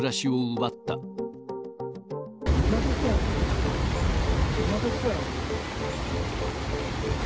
また来たよ。